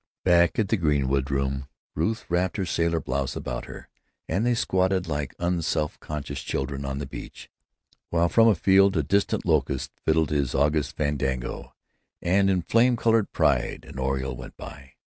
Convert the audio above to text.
Back at their greenwood room, Ruth wrapped her sailor blouse about her, and they squatted like un self conscious children on the beach, while from a field a distant locust fiddled his August fandango and in flame colored pride an oriole went by.